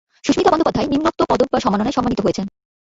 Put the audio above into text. সুস্মিতা বন্দ্যোপাধ্যায় নিম্নোক্ত পদক বা সম্মাননায় সম্মানিত হয়েছেন-